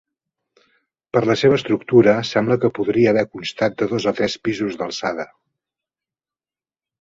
Per la seva estructura sembla que podria haver constat de dos o tres pisos d'alçada.